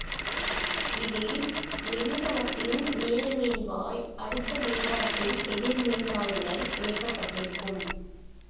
இதில மின்கலத்தின் நேர்மின்வாய் அடுத்த மின்கலத்தின் எதிர்மின்வாயுடன் இணைக்கப்பட்டிருகுகும்.